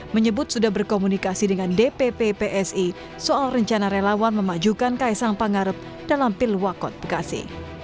menyebut sudah berkomunikasi dengan dpp psi soal rencana relawan memajukan kaisang pangarep dalam pilwakot bekasi